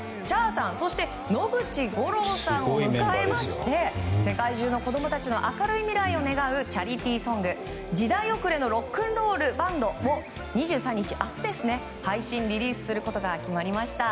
Ｃｈａｒさん野口五郎さんを迎えまして世界中の子供たちの明るい未来を願うチャリティーソング「時代遅れのロックンロールバンド」を２３日、配信リリースすることが決まりました。